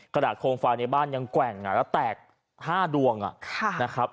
กระดาษโคมไฟในบ้านยังแกว่งแล้วแตก๕ดวงนะครับ